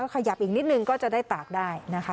ขยับอีกนิดนึงก็จะได้ตากได้นะคะ